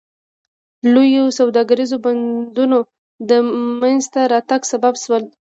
لویو سوداګریزو بندرونو د منځته راتګ سبب شول.